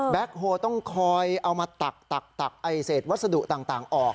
แบ็คโฮล์ต้องคอยเอามาตักไอเสร็จวัสดุต่างออก